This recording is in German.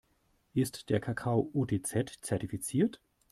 Ist der Kakao UTZ-zertifiziert?